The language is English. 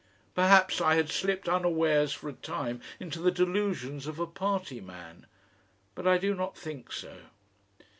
Perhaps I had slipped unawares for a time into the delusions of a party man but I do not think so.